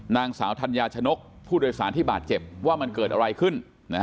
นางสาวธัญญาชนกผู้โดยสารที่บาดเจ็บว่ามันเกิดอะไรขึ้น